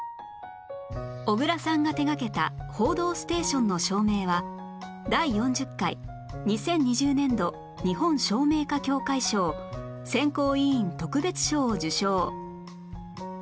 小倉さんが手掛けた『報道ステーション』の照明は第４０回２０２０年度日本照明家協会賞選考委員特別賞を受賞